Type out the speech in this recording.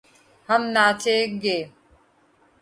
ہم ناچے گے